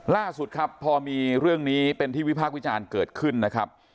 ล่าสุดครับพอมีเรื่องนี้เป็นที่วิพากษ์วิจารณ์เกิดขึ้นนะครับ